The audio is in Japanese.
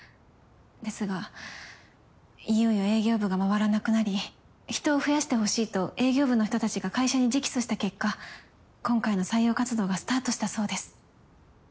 ですがいよいよ営業部が回らなくなり人を増やしてほしいと営業部の人たちが会社に直訴した結果今回の採用活動がスタートしたそうです。